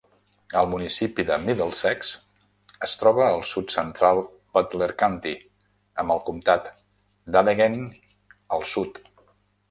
El municipi de Middlesex es troba al Sud-central Butler County, amb el Comtat d'Allegheny al sud.